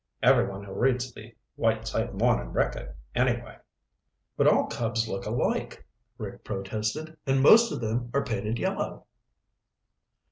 Everyone who reads the Whiteside Morning Record, anyway." "But all Cubs look alike," Rick protested, "and most of them are painted yellow."